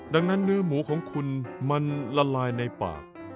ดังนั้นเนื้อหมูของคุณมันละลายในปาก